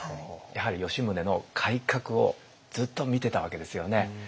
やはり吉宗の改革をずっと見てたわけですよね。